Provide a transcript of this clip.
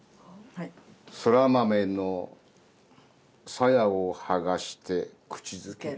「そら豆のさやをはがして口づける寂明」。